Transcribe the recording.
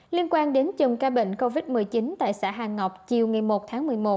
liên quan đến chùm ca bệnh covid một mươi chín tại xã hàng ngọc chiều ngày một tháng một mươi một